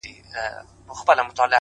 نور دي دسترگو په كتاب كي؛